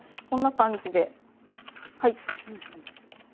こんな感じではい。